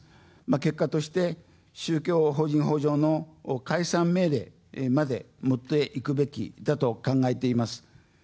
結果として、宗教法人法上の解散命令まで持っていくべきだと考えています。